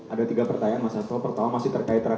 ada tiga pertanyaan mas satwa pertama masih terkait